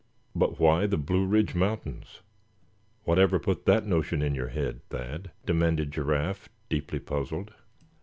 "But why the Blue Ridge mountains; whatever put that notion in your head, Thad?" demanded Giraffe, deeply puzzled.